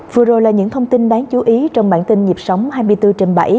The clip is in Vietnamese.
vừa rồi là những thông tin đáng chú ý trong bản tin nhịp sống hai mươi bốn trên bảy